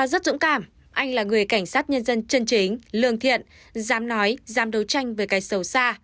rất dũng cảm anh là người cảnh sát nhân dân chân chính lương thiện dám nói dám đấu tranh với cái sầu xa